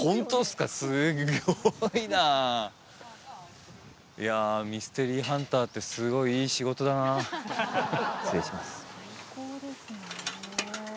すごいないやミステリーハンターってすごいいい仕事だなあ失礼します